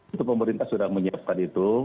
itu pemerintah sudah menyiapkan itu